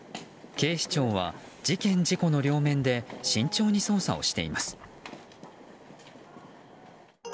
警視庁は事件・事故の両面で慎重に捜査しています。